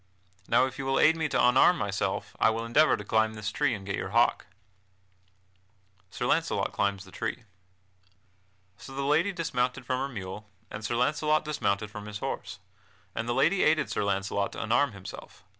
Now if you will aid me to unarm myself, I will endeavor to climb this tree and get your hawk." [Sidenote: Sir Launcelot climbs the tree] So the lady dismounted from her mule, and Sir Launcelot dismounted from his horse, and the lady aided Sir Launcelot to unarm himself.